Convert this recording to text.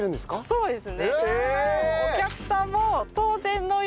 そうです。